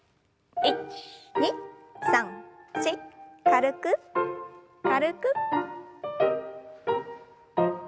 １２３４軽く軽く。